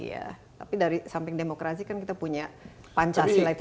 iya tapi dari samping demokrasi kan kita punya pancasila itu